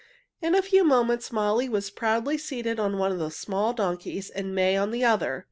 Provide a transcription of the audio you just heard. In a few moments Molly was proudly seated on one of the small donkeys and May on the other.